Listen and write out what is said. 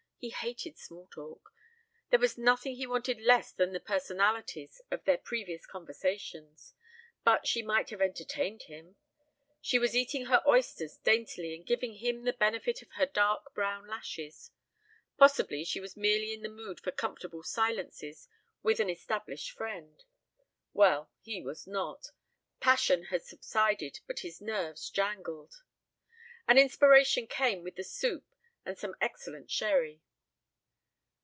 He hated small talk. There was nothing he wanted less than the personalities of their previous conversations, but she might have entertained him. She was eating her oysters daintily and giving him the benefit of her dark brown eyelashes. Possibly she was merely in the mood for comfortable silences with an established friend. Well, he was not. Passion had subsided but his nerves jangled. And inspiration came with the soup and some excellent sherry.